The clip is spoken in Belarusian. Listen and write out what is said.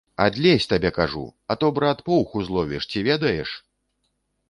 Адлезь, табе кажу, а то, брат, поўху зловіш, ці ведаеш!